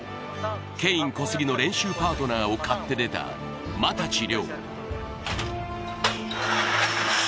ケイン・コスギの練習パートナーを買って出た又地諒。